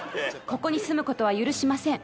ここに住むことは許しません」